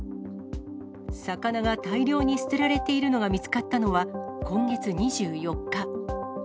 魚が大量に捨てられているのが見つかったのは、今月２４日。